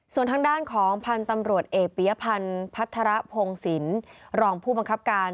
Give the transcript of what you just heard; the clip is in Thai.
ส่วนทางด้านของพันธุ์ตำรวจเอกปียพันธ์พัฒระพงศิลป์รองผู้บังคับการ